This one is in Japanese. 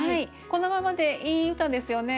このままでいい歌ですよね。